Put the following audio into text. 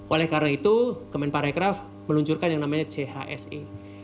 oleh karena itu kemen pariwisata meluncurkan yang namanya chse